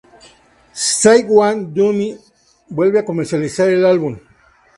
Side One Dummy vuelve a comercializar el álbum.